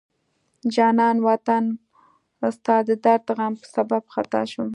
جانان وطنه ستا د درد غم په سبب خطا شم